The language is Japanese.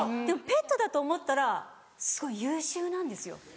でもペットだと思ったらすごい優秀なんですよ。